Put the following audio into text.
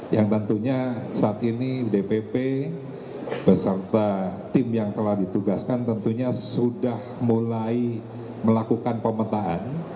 yang tentunya saat ini dpp beserta tim yang telah ditugaskan tentunya sudah mulai melakukan pemetaan